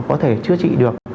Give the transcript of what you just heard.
có thể chữa trị được